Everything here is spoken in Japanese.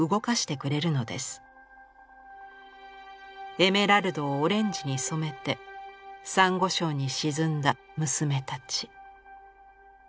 エメラルドをオレンジに染めてさんご礁に沈んだ娘たち」。